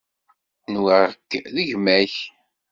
Nwiɣ-k d gma-k.